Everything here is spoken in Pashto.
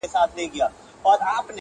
پر مخ لاسونه په دوعا مات کړي,